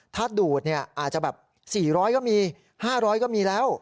ถ้าดูดเนี่ยอาจจะแบบ๔๐๐บาทก็มี๕๐๐บาทก็มีแล้ว